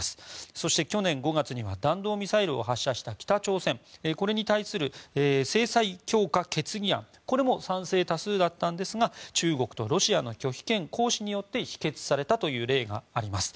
そして去年５月には弾道ミサイルを発射した北朝鮮これに対する制裁強化決議案も賛成多数だったんですが中国とロシアの拒否権行使によって否決されたという例があります。